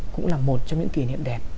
cũng là một trong những kỷ niệm đẹp